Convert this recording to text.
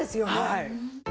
はい。